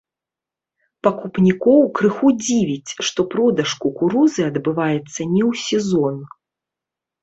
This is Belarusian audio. Пакупнікоў крыху дзівіць, што продаж кукурузы адбываецца не ў сезон.